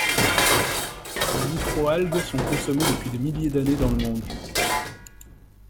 Les microalgues sont consommées depuis des milliers d’années dans le monde.